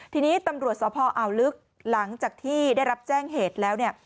ทีนี้ตำรวจสพอ่าวลึกหลังจากที่ได้รับแจ้งเหตุแล้วเนี่ย